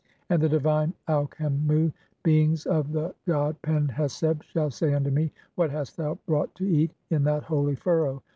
And the divine Aukhemu beings of the "god Pen heseb (?) shall say [unto me], 'What hast thou brought "to eat (18) in that holy furrow?'